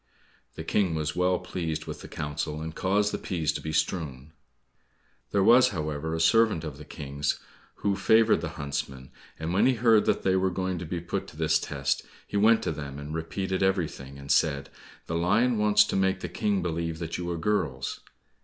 The King was well pleased with the counsel, and caused the peas to be strewn. There was, however, a servant of the King's who favored the huntsmen, and when he heard that they were going to be put to this test he went to them and repeated everything, and said, "The lion wants to make the King believe that you are girls."